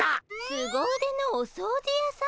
すご腕のお掃除やさん？